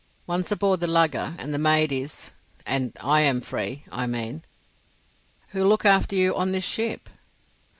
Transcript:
Once aboard the lugger and the maid is—and I am free, I mean." "Who'll look after you on this ship?"